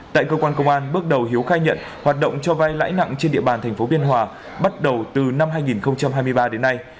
tại cơ quan công an bước đầu hiếu khai nhận hoạt động cho vai lãi nặng trên địa bàn tp biên hòa bắt đầu từ năm hai nghìn hai mươi ba đến nay